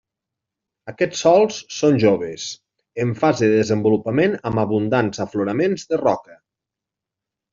Aquests sòls són joves, en fase de desenvolupament amb abundants afloraments de roca.